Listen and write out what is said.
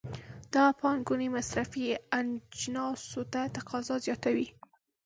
دغه پانګونې مصرفي اجناسو ته تقاضا زیاتوي.